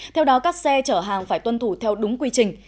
theo đó các xe chở hàng phải tuân thủ theo đúng quy trình